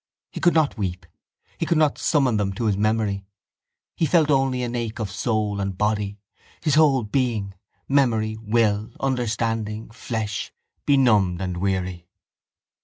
He could not weep. He could not summon them to his memory. He felt only an ache of soul and body, his whole being, memory, will, understanding, flesh, benumbed and weary.